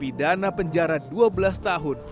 pidana penjara dua belas tahun